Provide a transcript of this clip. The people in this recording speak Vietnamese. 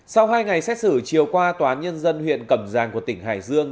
sau hai ngày xét xử chiều qua tòa án nhân dân huyện cẩm giang của tỉnh hải dương